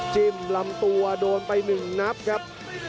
จิ้มลำตัวโดนไป๑นับครับ